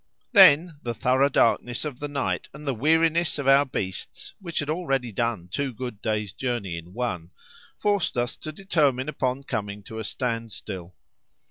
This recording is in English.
Then the thorough darkness of the night, and the weariness of our beasts (which had already done two good days' journey in one), forced us to determine upon coming to a standstill.